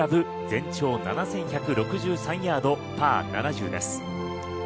全長７１６３ヤードパー７０です。